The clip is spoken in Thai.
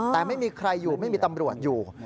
แต่ไม่มีใครอยู่ไม่มีตำรวจอยู่